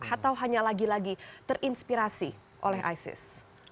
atau hanya lagi lagi terinspirasi oleh isis